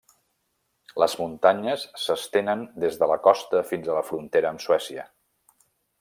Les muntanyes s'estenen des de la costa fins a la frontera amb Suècia.